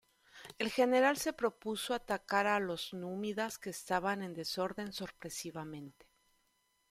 El general se propuso atacar a los númidas que estaban en desorden sorpresivamente.